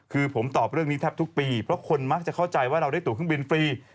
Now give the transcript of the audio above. คือผมตอบเรื่องนี้แทบทุกปีเพราะคนมักจะเข้าใจว่าเราได้ตัวเครื่องบินฟรี